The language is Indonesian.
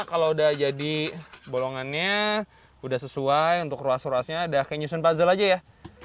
kalau udah jadi bolongannya udah sesuai untuk ruas ruasnya udah kayak nyusun puzzle aja ya